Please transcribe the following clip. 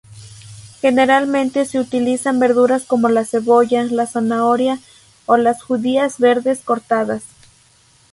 Generalmente se utilizan verduras como la cebolla, la zanahoria o las judías verdes cortadas.